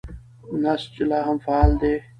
نسج لا هم فعال دی.